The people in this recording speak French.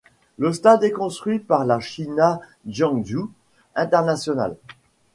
Le stade est construit par la China Jiangsu International.